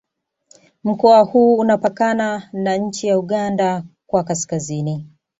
Mkoa huu unapakana na nchi ya Uganda kwa Kaskazini